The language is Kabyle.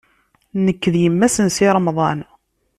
Nekk d yemma-s n Si Remḍan.